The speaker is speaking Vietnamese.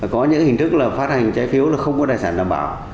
có những hình thức là phát hành trái phiếu là không có tài sản đảm bảo